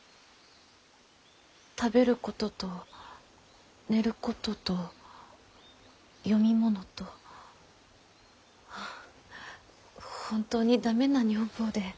食べることと寝ることと読み物と本当に駄目な女房で。